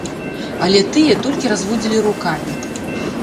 Але тыя толькі разводзілі рукамі.